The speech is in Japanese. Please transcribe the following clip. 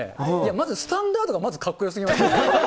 まずスタンダードが、まずかっこよすぎますよね。